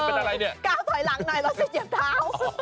๙ถอยหลังไหนเราจะเจ็บเท้า